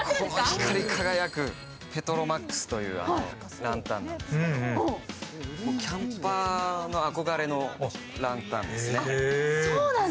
光り輝くペトロマックスというランタンなんですけど、キャンパーの憧れのランタンですね。